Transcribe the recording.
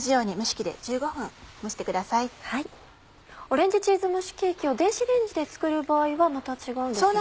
オレンジチーズ蒸しケーキを電子レンジで作る場合はまた違うんですよね？